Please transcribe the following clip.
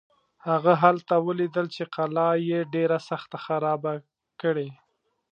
هغه هلته ولیدل چې قلا یې ډېره سخته خرابه کړې.